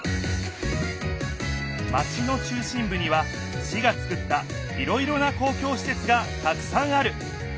マチの中心ぶには市がつくったいろいろな公共しせつがたくさんある。